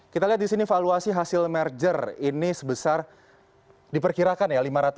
kita lihat di sini valuasi hasil merger ini sebesar diperkirakan ya